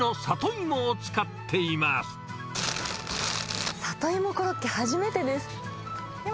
地元、里芋コロッケ初めてです。